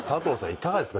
いかがですか？